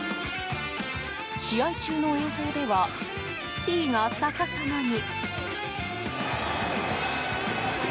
試合中の映像ではＴが逆さまに。